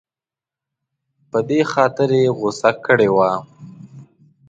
په دې خاطر یې غوسه کړې وه.